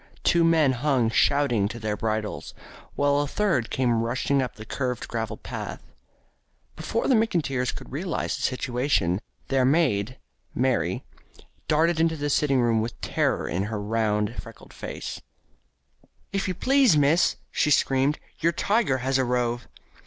Two men hung shouting to their bridles, while a third came rushing up the curved gravel path. Before the McIntyres could realise the situation, their maid, Mary, darted into the sitting room with terror in her round freckled face: "If you please, miss," she screamed, "your tiger has arrove."